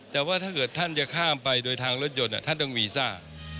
แต่ว่าถ้าเกิดท่านจะข้ามไปโดยทางรถยนต์ท่านต้องวีซ่า